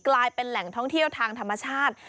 กลายเป็นแหล่งท่องเที่ยวทางธรรมชาติ